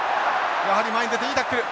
やはり前に出ていいタックル。